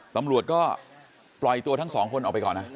ตำรวจก็ปล่อยตัวทั้งสองคนออกไปก่อนนะ